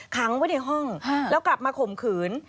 ขังไว้ในห้องแล้วกลับมาข่มขืน